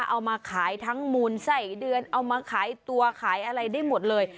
เอามาขายทั้งมูลไส้เดือนเอามาขายตัวขายอะไรได้หมดเลย